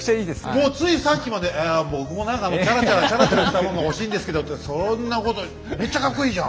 もうついさっきまでえ僕も何かチャラチャラチャラチャラしたもんが欲しいんですけどってそんなことめっちゃカッコいいじゃん。